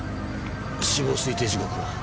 死亡推定時刻は？